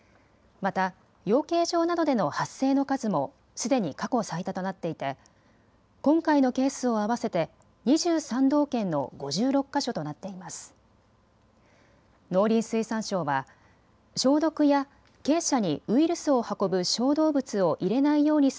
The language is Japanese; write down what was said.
また養鶏場などでの発生の数もすでに過去最多となっていて今回のケースを合わせて２３道県の５６か所となっています。